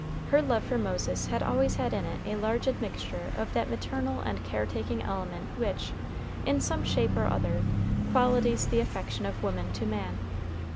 Her love for Moses had always had in it a large admixture of that maternal and care taking element which, in some shape or other, qualities the affection of woman to man.